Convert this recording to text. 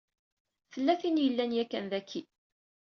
Tella tin i yellan yakan daki.